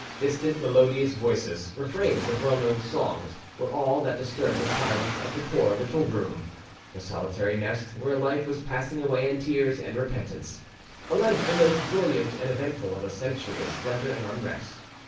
Distant melodious voices, refrains of well known songs, were all that disturbed the silence of the poor little room, the solitary nest where a life was passing away in tears and repentance, a life the most brilliant and eventful of a century of splendour and unrest.